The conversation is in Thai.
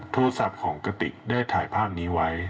โทรศัพท์ของกติกได้ถ่ายภาพนี้ไว้